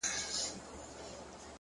هوښیار انسان له وخت نه دوست جوړوي.